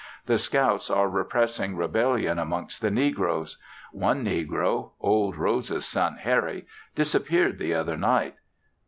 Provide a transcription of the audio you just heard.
The scouts are repressing rebellion amongst the negroes. One negro (Old Rose's son Harry) disappeared the other night.